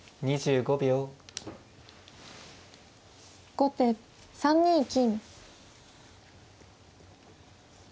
後手３二金。